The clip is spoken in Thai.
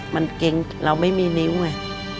มันเกรงเราไม่มีนิ้วไง